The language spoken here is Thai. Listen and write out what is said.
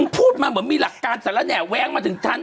พูดมันเหมือนมีหลักการเสร็จแล้วแว้งมาถึงชั้น